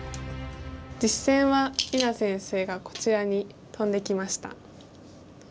実戦は里菜先生がこちらにトンできました。